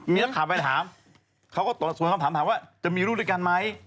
มีคำถามส่วนคำถามถามว่าจะมีลูกด้วยกันไหม